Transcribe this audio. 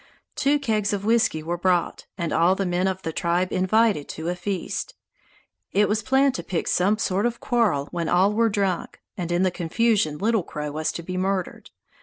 Two kegs of whisky were bought, and all the men of the tribe invited to a feast. It was planned to pick some sort of quarrel when all were drunk, and in the confusion Little Crow was to be murdered.